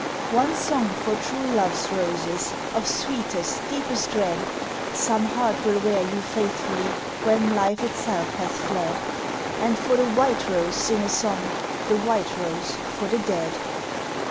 One song for true love's roses of sweetest deepest red, Some heart will wear you faithfully when life itself hath fled, And for the white rose sing a song the white rose for the dead.